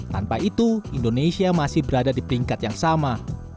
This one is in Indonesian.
tanpa itu indonesia masih berada di peringkat yang sama